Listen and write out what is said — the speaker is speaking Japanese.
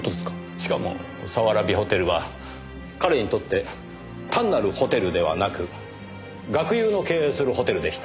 しかも早蕨ホテルは彼にとって単なるホテルではなく学友の経営するホテルでした。